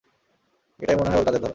এটাই মনে হয় ওর কাজের ধরন।